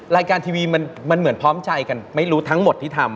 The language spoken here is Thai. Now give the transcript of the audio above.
รายการทีวีมันเหมือนพร้อมใจกันไม่รู้ทั้งหมดที่ทำ